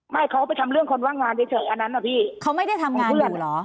ไม่เขาไปทำเรื่องคนว่างงานเฉยอันนั้นอ่ะพี่เขาไม่ได้ทำของเพื่อนเหรอ